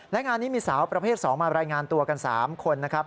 และงานนี้มีสาวประเภท๒มารายงานตัวกัน๓คนนะครับ